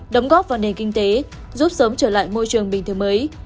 đóng góp vào nền kinh tế giúp sớm trở lại môi trường bình thường mới